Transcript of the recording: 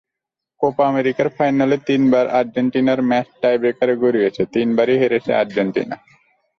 Copa আমেরিকার ফাইনালে তিনবার আর্জেন্টিনার ম্যাচ টাইব্রেকারে গড়িয়েছে, তিনবারই হেরেছে আর্জেন্টিনা।